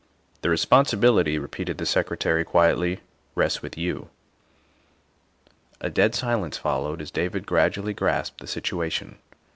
The responsibility," repeated the Secretary quietly, " rests with you." A dead silence followed as David gradually grasped the situation.